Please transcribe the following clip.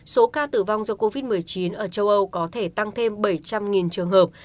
số ca tử vong do covid một mươi chín ở châu âu có thể tăng thêm bảy trăm linh trường hợp